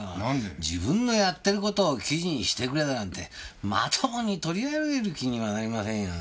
自分のやってる事を記事にしてくれだなんてまともに取り上げる気にもなりませんよ。